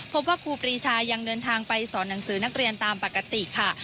ครูปรีชายังเดินทางไปสอนหนังสือนักเรียนตามปกติค่ะ